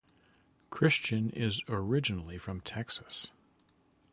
Christian is originally from Texas.